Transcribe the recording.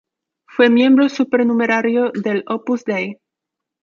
Fue miembro supernumerario del Opus Dei.